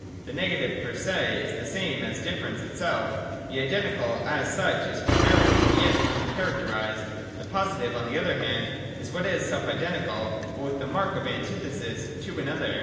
The negative per se is the same as difference itself. The identical as such is primarily the yet uncharacterised : the positive on the other hand is what is self identical, but with the mark of antithesis to an other.